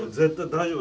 大丈夫？